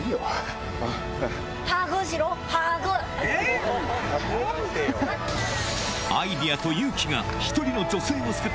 えっ！